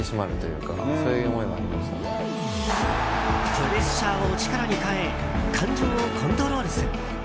プレッシャーを力に変え感情をコントロールする。